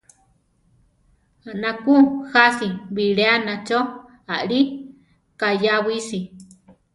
Anakú jási biléana cho alí kayawísi.